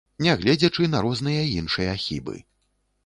Нягледзячы на розныя іншыя хібы.